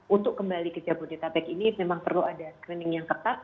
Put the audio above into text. untuk kembali ke jabodetabek ini memang perlu ada screening yang ketat